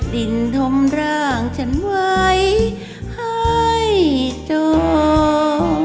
ดินทมร่างฉันไว้ให้จอง